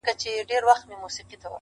قنلدر ته په زاريو غلبلو سو-